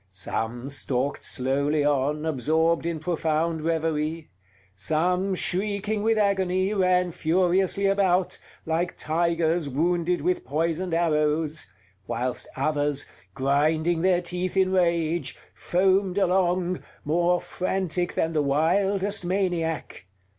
Some stalked slowly on, absorbed in profound reverie; some, shrieking with agony, ran furiously about, like tigers wounded with poisoned arrows; whilst others, grinding their teeth in rage, foamed along, more frantic than the wildest maniac.